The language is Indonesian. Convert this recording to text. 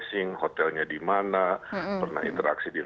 bisa melakukan tracing hotelnya di mana pernah interaksi di mana